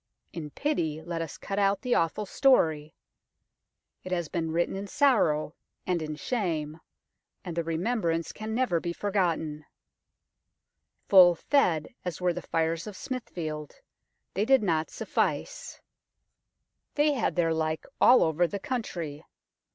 In pity, let us cut out the awful story. It has been written in sorrow and in shame, and the remembrance can never be forgotten. Full fed as were the fires of Smithfield, they did not suffice ; they had their like all over the i86 UNKNOWN LONDON country.